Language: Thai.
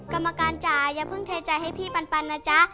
กรรมการจ๋าอย่าเพิ่งเทใจให้พี่ปันนะจ๊ะ